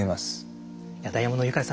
ダイアモンドユカイさん